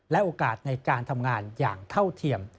และโอกาสในการทำงานอย่างเท่าเทียม